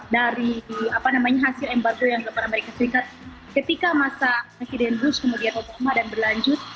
dari hasil embargo yang dilakukan amerika serikat ketika masa presiden bush kemudian otoma dan berlanjut